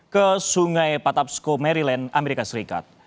ke sungai patapsco maryland amerika serikat